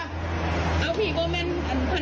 มันก็มาแค่นี้ครับทีก็มาแค่นี้